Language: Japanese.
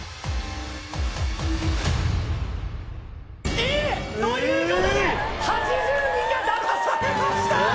Ａ！ということで８０人が騙されました！